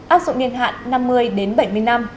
áp dụng niên hạn năm mươi đến bảy mươi năm